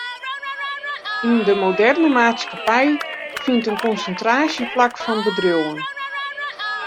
Yn de moderne maatskippij fynt in konsintraasje plak fan bedriuwen.